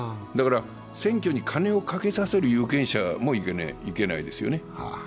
選挙に金をかけさせる有権者もいけないですよね。